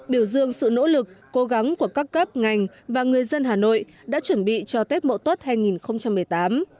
biểu dương sự nỗ lực cố gắng của các cấp ngành và người dân hà nội đã chuẩn bị cho tết mậu tuất hai nghìn một mươi tám